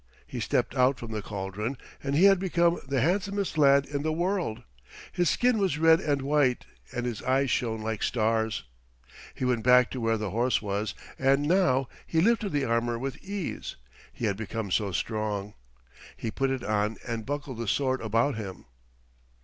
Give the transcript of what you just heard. He stepped out from the caldron, and he had become the handsomest lad in the world; his skin was red and white, and his eyes shone like stars. He went back to where the horse was, and now he lifted the armor with ease, he had become so strong. He put it on and buckled the sword about him.